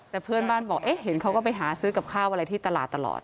แต่เพื่อนบ้านบอกเอ๊ะเห็นเขาก็ไปหาซื้อกับข้าวอะไรที่ตลาดตลอด